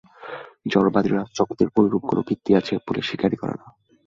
জড়বাদীরা জগতের ঐরূপ কোন ভিত্তি আছে বলে স্বীকারই করে না।